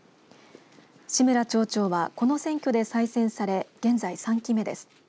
志村町長は、この選挙で再選され現在３期目です。